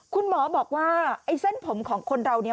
คุณหมอบอกว่าไอ้เส้นผมของคนเราเนี่ย